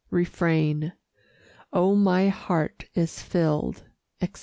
Refrain Oh, my heart is filled, etc.